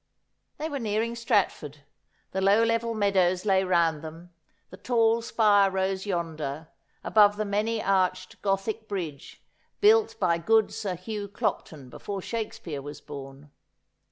They were nearing Stratford ; the low level meadows lay round them, the tall spire rose yonder, above the many arched Gothic bridge built by good Sir Hugh Clopton before Shakespeare was born.